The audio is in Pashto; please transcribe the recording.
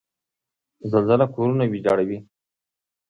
زلزله کورونه ویجاړوي.